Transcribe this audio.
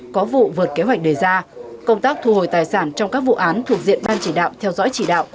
có vụ vượt kế hoạch đề ra công tác thu hồi tài sản trong các vụ án thuộc diện ban chỉ đạo theo dõi chỉ đạo